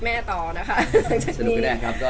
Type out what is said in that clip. แม่ต่อนะคะ